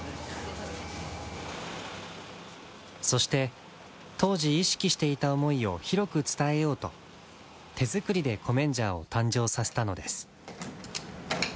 そして当時意識していた思いを広く伝えようと手作りでコメンジャーを誕生させたのです。